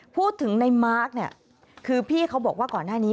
พูดถึงในมาร์คเนี่ยคือพี่เขาบอกว่าก่อนหน้านี้